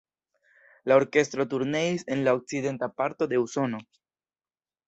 La orkestro turneis en la okcidenta parto de Usono.